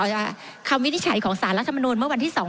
ดิฉันขอคำวินิจฉัยของศาลรัฐมนูนเมื่อวันที่สอง